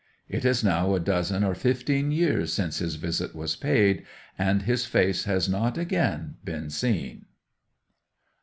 It is now a dozen or fifteen years since his visit was paid, and his face has not again been seen.